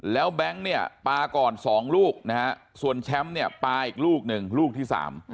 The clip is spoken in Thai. แล้วแบงก์ปาก่อน๒ลูกส่วนแชมป์ปาอีกลูกหนึ่งลูกที่๓